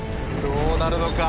どうなるのか。